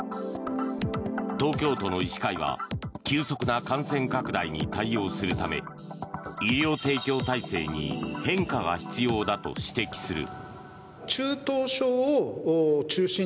東京都の医師会は急速な感染拡大に対応するため医療提供体制に変化が必要だと指摘する。